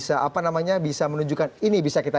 apa namanya bisa menunjukkan ini bisa kita